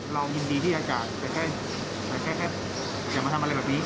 เรามีดีที่อาจารย์แต่แค่อยากมาทำอะไรแบบนี้